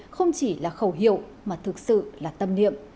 không chỉ là khẩu hiệu mà thực sự là tâm niệm